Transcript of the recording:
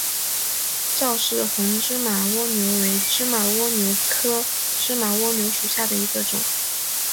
赵氏红芝麻蜗牛为芝麻蜗牛科芝麻蜗牛属下的一个种。